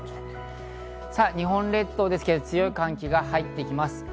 さぁ、日本列島ですけど強い寒気が入ってきます。